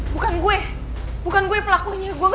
bukan gue bukan gue pelakunya